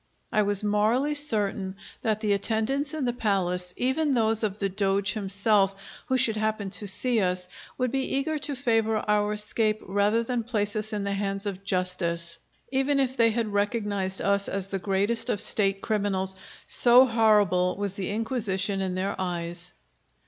I was morally certain that the attendants in the palace, even those of the Doge himself, who should happen to see us, would be eager to favor our escape rather than place us in the hands of justice, even if they had recognized us as the greatest of state criminals; so horrible was the inquisition in their eyes.